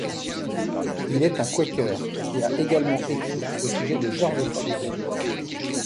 Il est un quaker, et a également écrit au sujet de George Fox.